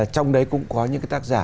trong đấy cũng có những tác giả